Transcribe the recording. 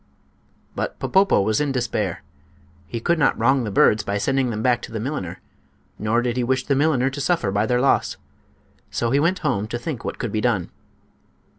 But Popopo was in despair. He could not wrong the birds by sending them back to the milliner, nor did he wish the milliner to suffer by their loss. So he went home to think what could be done.